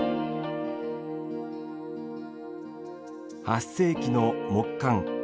８世紀の木簡。